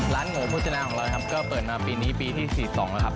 หมูโภชนาของเรานะครับก็เปิดมาปีนี้ปีที่๔๒แล้วครับ